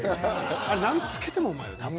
あれ何つけてもうまいよ多分。